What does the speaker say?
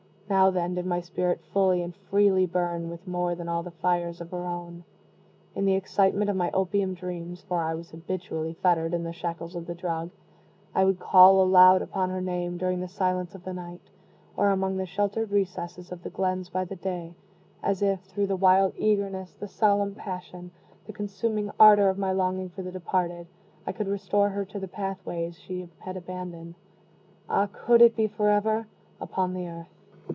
Now, then, did my spirit fully and freely burn with more than all the fires of her own. In the excitement of my opium dreams (for I was habitually fettered in the shackles of the drug), I would call aloud upon her name, during the silence of the night, or among the sheltered recesses of the glens by day, as if, through the wild eagerness, the solemn passion, the consuming ardor of my longing for the departed, I could restore her to the pathways she had abandoned ah, could it be forever? upon the earth.